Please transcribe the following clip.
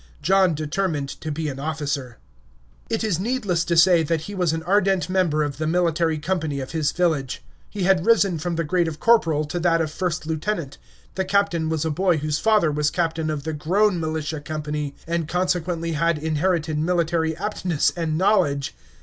John determined to be an officer. It is needless to say that he was an ardent member of the military company of his village. He had risen from the grade of corporal to that of first lieutenant; the captain was a boy whose father was captain of the grown militia company, and consequently had inherited military aptness and knowledge.